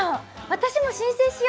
私も申請しよ！